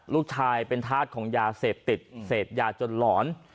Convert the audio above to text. ลูกชายเป็นธาตุของยาเสพติดเสพยาจนหลอน